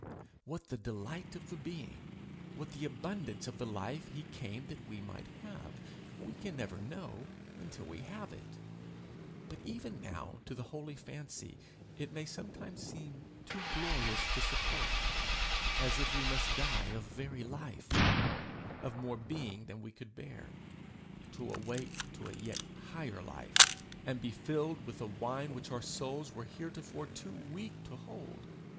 What the delight of the being, what the abundance of the life he came that we might have, we can never know until we have it. But even now to the holy fancy it may sometimes seem too glorious to support as if we must die of very life of more being than we could bear to awake to a yet higher life, and be filled with a wine which our souls were heretofore too weak to hold!